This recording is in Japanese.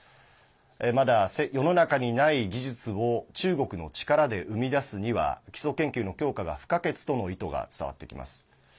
まだ世の中にない技術を中国の力で生み出すには基礎研究の強化が不可欠との意図が伝わってきます。